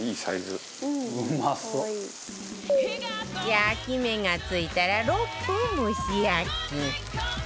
焼き目がついたら６分蒸し焼き